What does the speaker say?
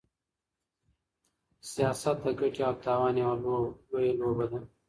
سياست د ګټې او تاوان يوه لويه لوبه ده.